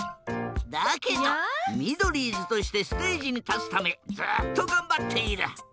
だけどミドリーズとしてステージにたつためずっとがんばっている。